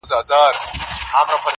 د وخت له کانه به را باسمه غمی د الماس -